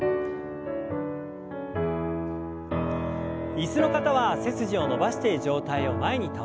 椅子の方は背筋を伸ばして上体を前に倒します。